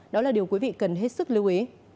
đó là điều quý vị cần hết sức lưu ý